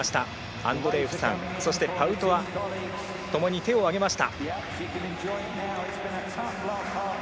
アンドレエフさん、パウトワともに手をあげました。